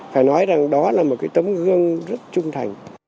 phải nói rằng đó là một cái tấm gương rất trung thành